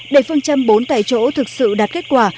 để phương châm bốn tại chỗ thực sự đạt kết quả